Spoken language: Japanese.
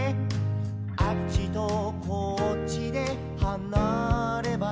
「あっちとこっちではなればなれ」